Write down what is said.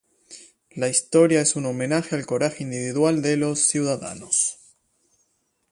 La historia es un homenaje al coraje individual de los ciudadanos.